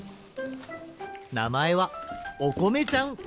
なまえはおこめちゃん！